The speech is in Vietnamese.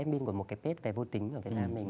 em binh của một cái page về vô tính